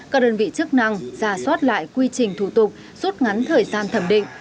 các đơn vị chức năng ra soát lại quy trình thủ tục rút ngắn thời gian thẩm định